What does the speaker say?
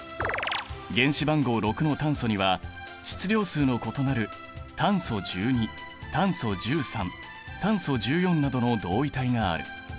原子番号６の炭素には質量数の異なる炭素１２炭素１３炭素１４などの同位体がある。